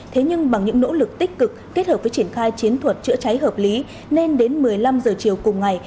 thế nhưng bằng những nỗ lực tích cực kết hợp với triển khai chiến thuật chữa cháy hợp lý nên đến một mươi năm giờ chiều cùng ngày